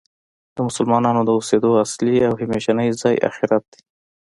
د مسلمانانو د اوسیدو اصلی او همیشنی ځای آخرت دی .